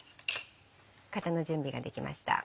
型の準備ができました。